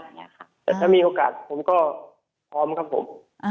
แต่ถ้ามีโอกาสผมก็พร้อมครับผม